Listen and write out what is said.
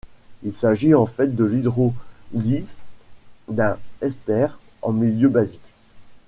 Il s'agit en fait de l'hydrolyse d'un ester en milieu basique.